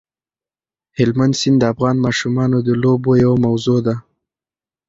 هلمند سیند د افغان ماشومانو د لوبو یوه موضوع ده.